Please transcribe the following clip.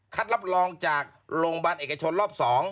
คัดรับรองจากโรงบันเอกชนรอบ๒